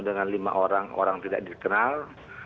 dengan lima orang orang tidak dikenal